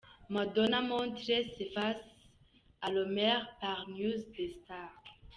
Madonna montre ses fesses à Rome par news-de-stars.